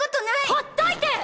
ほっといて！